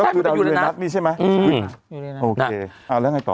ก็คือดาวยูเรนัสนี่ใช่ไหม